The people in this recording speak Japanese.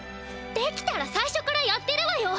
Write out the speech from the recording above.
できたらさいしょからやってるわよ！